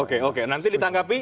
oke oke nanti ditanggapi